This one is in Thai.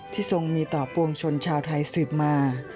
ทรงมีต่อปวงชนชาวไทยสืบมา